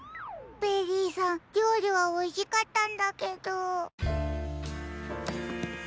ベリーさんりょうりはおいしかったんだけど。